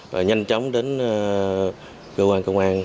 và nhanh chóng đến cơ quan công an